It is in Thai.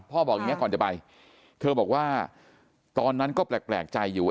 บอกอย่างนี้ก่อนจะไปเธอบอกว่าตอนนั้นก็แปลกใจอยู่ว่า